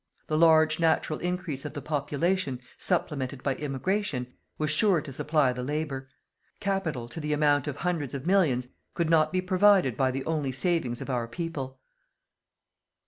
The large natural increase of the population, supplemented by immigration, was sure to supply the labour. Capital, to the amount of hundreds of millions, could not be provided by the only savings of our people.